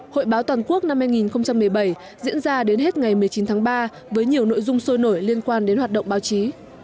hội báo toàn quốc năm hai nghìn một mươi bảy diễn ra đến hết ngày một mươi chín tháng ba với nhiều nội dung sôi nổi liên quan đến hoạt động báo chí